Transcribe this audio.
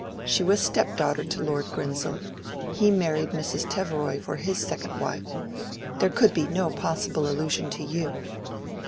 She was step daughter to Lord Grinsell: he married Mrs. Teveroy for his second wife. There could be no possible allusion to you."